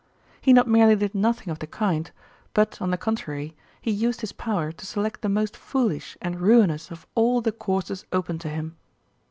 He not merely did nothing of the kind, but on the contrary he used his power to select the most foolish and ruinous of all the courses open to him.